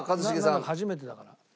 初めてだから。